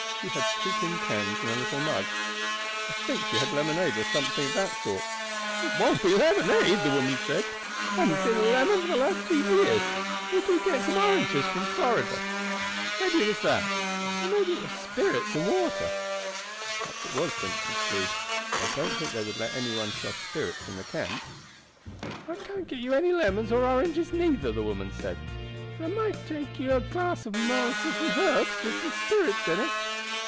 She had two tin cans and a little mug. I think she had lemonade or something of that sort." "It wouldn't be lemonade," the woman said "I haven't seen a lemon for the last two years; but they do get some oranges from Florida. Maybe it was that, or perhaps it was spirits and water." "Perhaps it was," Vincent agreed; "though I don't think they would let any one sell spirits in the camp." "I can't get you any lemons or oranges neither," the woman said; "but I might make you a drink out of molasses and herbs, with some spirits in it.